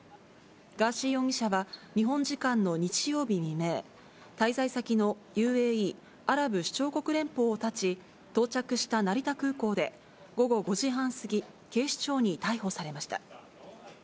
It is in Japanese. ガーシー容疑者は、日本時間の日曜日未明、滞在先のＵＡＥ・アラブ首長国連邦をたち、到着した成田空港で、午後５時半過ぎ、警視庁に逮捕されました。